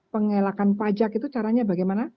pengelakan pajak itu caranya bagaimana